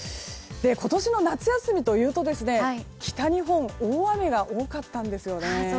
今年の夏休みというと、北日本大雨が多かったんですよね。